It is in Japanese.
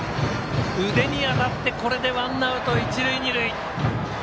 腕に当たってこれでワンアウト、一塁、二塁。